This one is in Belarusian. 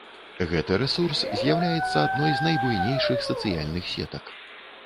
Гэты рэсурс з'яўляецца адной з найбуйнейшых сацыяльных сетак.